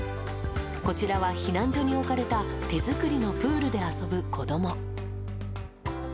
こちらは、避難所に置かれた手作りのプールで遊ぶ子供。